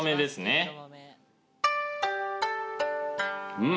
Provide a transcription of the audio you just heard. うん。